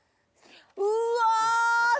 うわ！